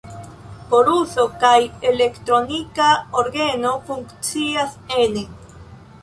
Koruso kaj elektronika orgeno funkcias ene.